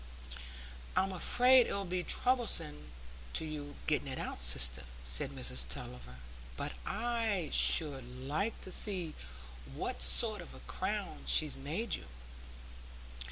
"I'm afraid it'll be troublesome to you getting it out, sister," said Mrs Tulliver; "but I should like to see what sort of a crown she's made you."